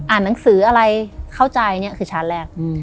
อ่านหนังสืออะไรเข้าใจเนี้ยคือฉานแรก